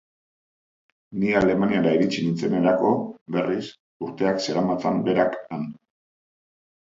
Ni Alemaniara iritsi nintzenerako, berriz, urteak zeramatzan berak han.